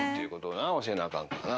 教えなあかんからな。